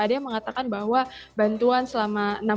ada yang mengatakan bahwa bantuan selama